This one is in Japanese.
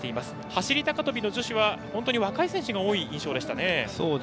走り高跳びの女子は若い選手が多い印象でしたね。